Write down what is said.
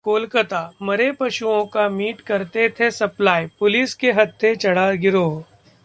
कोलकाताः मरे पशुओं का मीट करते थे सप्लाई, पुलिस के हत्थे चढ़ा गिरोह